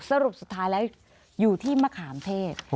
สรุปสุดท้ายแล้วอยู่ที่มะขามเทศ